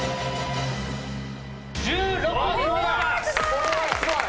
これはすごい！